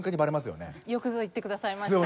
よくぞ言ってくださいました。